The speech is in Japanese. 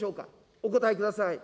お答えください。